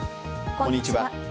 こんにちは。